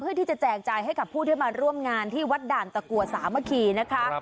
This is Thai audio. แจกจ่ายให้กับผู้ที่มาร่วมงานที่วัดด่านตะกัวสามัคคีนะคะ